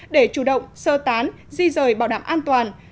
để chủ động sơ tán di rời bảo đảm an toàn